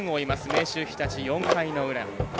明秀日立、４回の裏。